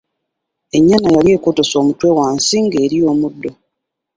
Ennyana yali ekotese omutwe wansi ng’erya omuddo.